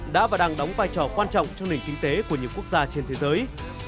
đã và đang đóng vai trò quan trọng trong nền kinh tế của những quốc gia trên thế giới